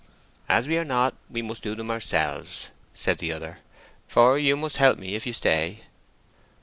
"As we are not, we must do them ourselves," said the other; "for you must help me if you stay."